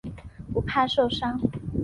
不怕受伤。